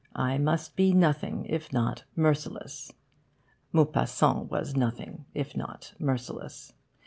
I must be nothing if not merciless. Maupassant was nothing if not merciless.